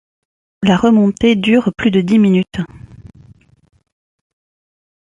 La remontée dure plus de dix minutes.